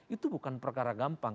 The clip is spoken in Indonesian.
itu bukan perkara gampang